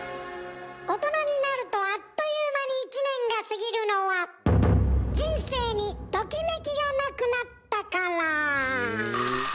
大人になるとあっという間に１年が過ぎるのは人生にトキメキがなくなったから。